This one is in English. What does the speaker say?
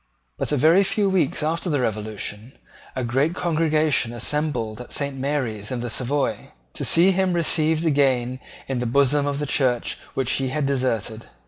But, a very few weeks after the Revolution, a great congregation assembled at Saint Mary's in the Savoy, to see him received again into the bosom of the Church which he had deserted.